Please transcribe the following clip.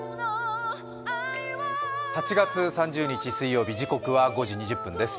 ８月３０日水曜日、時刻は５時２０分です。